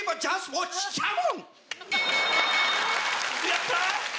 やった！